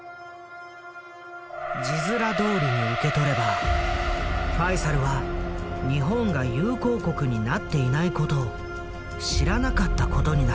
字面どおりに受け取ればファイサルは日本が友好国になっていないことを知らなかったことになる。